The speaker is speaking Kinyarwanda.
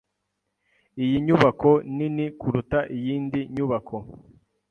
Iyi nyubako nini kuruta iyindi nyubako.